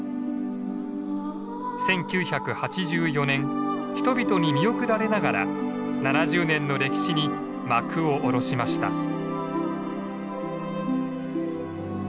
１９８４年人々に見送られながら７０年の歴史に幕を降ろしました。